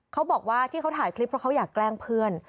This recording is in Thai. เขาบอกว่าที่เขาถ่ายคลิปเพราะเขาอยากแกล้งเพื่อน